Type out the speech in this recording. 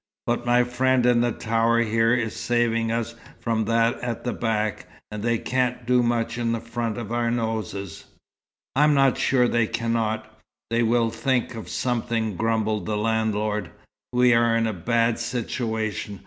"But my friend in the tower here is saving us from that at the back, and they can't do much in front of our noses." "I am not sure they cannot. They will think of something," grumbled the landlord. "We are in a bad situation.